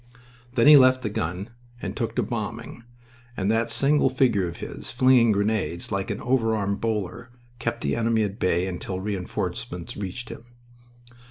Then he left the gun and took to bombing, and that single figure of his, flinging grenades like an overarm bowler, kept the enemy at bay until reinforcements reached him.